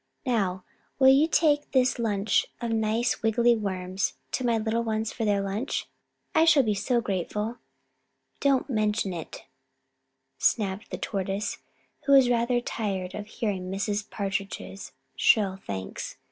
Now, will you take this bunch of nice wiggly worms to my little ones for their lunch? I shall be so very grateful." "Don't mention it," snapped the Tortoise, who was rather tired of hearing Mrs. Partridge's shrill thanks.